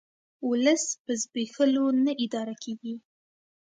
ولس په زبېښولو نه اداره کیږي